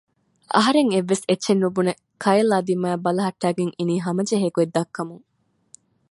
އަހަރެން އެއްވެސް އެއްޗެއް ނުބުނެ ކައިލްއާ ދިމާއަށް ބަލަހައްޓައިގެން އިނީ ހަމަޖެހޭ ގޮތް ދައްކަމުން